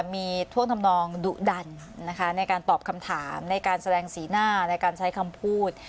มีท่วงทำนองดุดันนะคะในการตอบคำถามในการแสดงสีหน้าในการใช้คำพูด